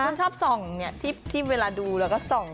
คนชอบส่องเนี่ยที่เวลาดูแล้วก็ส่อง